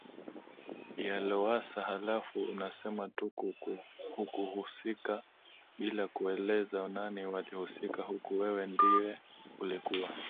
ya Lowassa halafu unasema tu hukuhusika bila kueleza nani walihusika huku wewe ndiye ulikuwa